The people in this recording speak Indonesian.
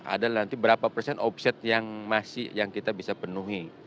ada nanti berapa persen omset yang masih yang kita bisa penuhi